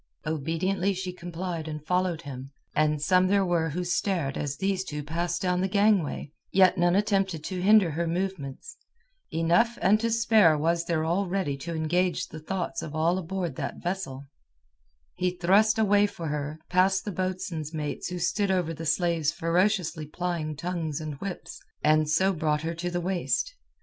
Obediently she complied and followed him, and some there were who stared as these two passed down the gangway, yet none attempted to hinder her movements. Enough and to spare was there already to engage the thoughts of all aboard that vessel. He thrust a way for her, past the boatswain's mates who stood over the slaves ferociously plying tongues and whips, and so brought her to the waist.